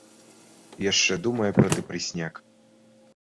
Яшчэ думаю пра дэпрэсняк.